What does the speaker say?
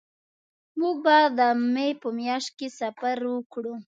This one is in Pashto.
مونږ به د مې په میاشت کې سفر وکړو